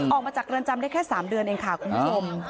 ออกมาจากเรือนจำได้แค่๓เดือนเองค่ะคุณผู้ชม